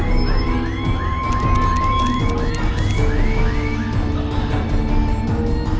ต้าวีสภาษาในท่าน